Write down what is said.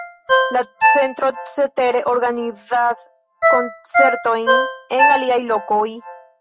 La centro cetere organizas koncertojn en aliaj lokoj.